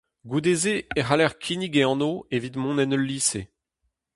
Goude-se e c'haller kinnig e anv evit mont en ul lise.